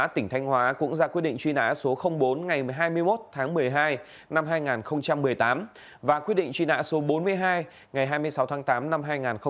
tỉnh thanh hóa cũng ra quyết định truy nã số bốn ngày hai mươi một tháng một mươi hai năm hai nghìn một mươi tám và quyết định truy nã số bốn mươi hai ngày hai mươi sáu tháng tám năm hai nghìn một mươi bảy